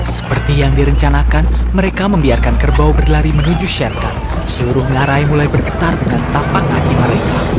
seperti yang direncanakan mereka membiarkan kerbau berlari menuju sherkan seluruh ngarai mulai bergetar dengan tapak kaki mereka